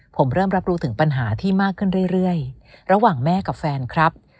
ผมเริ่มรับรู้ถึงปัญหาที่มากขึ้นเรื่อยระหว่างแม่กับแฟนครับ